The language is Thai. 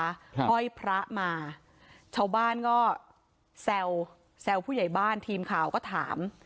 ห้อยพระมาชาวบ้านก็แซวแซวผู้ใหญ่บ้านทีมข่าวก็ถาม